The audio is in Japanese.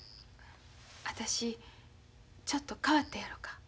私ちょっと変わったやろか。